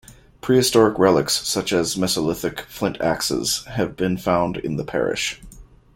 Prehistoric relics, such as Mesolithic flint axes, have been found in the parish.